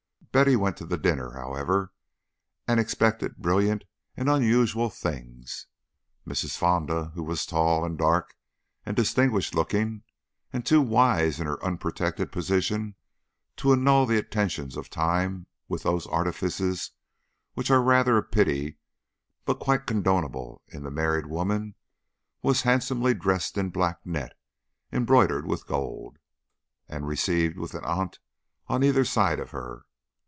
Betty went to the dinner, however, and expected brilliant and unusual things. Mrs. Fonda, who was tall and dark and distinguished looking, and too wise in her unprotected position to annul the attentions of Time with those artifices which are rather a pity but quite condonable in the married woman, was handsomely dressed in black net embroidered with gold, and received with an aunt on either side of her.